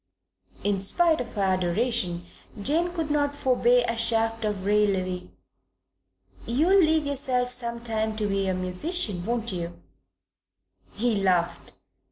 In spite of her adoration Jane could not forbear a shaft of raillery. "You'll leave yourself some time to be a musician, won't you?" He laughed.